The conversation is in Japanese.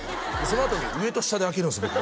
そのあとに上と下であけるんすよね